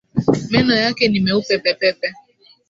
Meno yake ni meupe pepepe